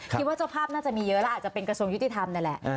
คิดว่าเจ้าภาพน่าจะมีเยอะแล้วอาจจะเป็นกระทรวงยุติธรรมนั่นแหละ